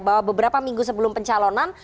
bahwa beberapa minggu sebelum pencalonan